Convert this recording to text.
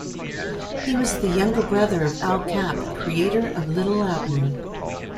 He was the younger brother of Al Capp, creator of "Li'l Abner".